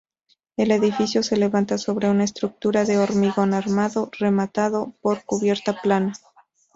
El edificio se levanta sobre una estructura de hormigón armado, rematado por cubierta plana.